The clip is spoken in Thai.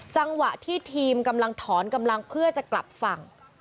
จังหวะที่ทีมกำลังถอนกำลังเพื่อจะกลับฝั่ง